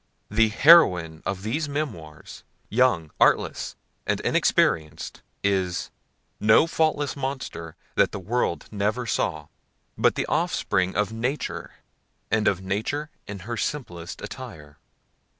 The heroine of these memoirs, young, artless, and inexperienced, is No faultless Monster that the world ne'er saw; but the offspring of Nature, and of Nature in her simplest attire.